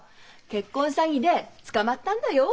婚約詐欺で捕まったんだよ？